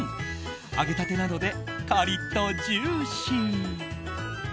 揚げたてなのでカリッとジューシー。